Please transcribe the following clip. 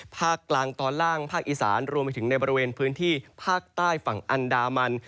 ภาคกลางตอนล่างภาคอีสานรวมไปถึงในบริเวณพื้นที่ภาคใต้ฝั่งอันดามัน